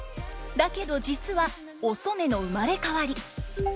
だけど実はお染の生まれ変わり。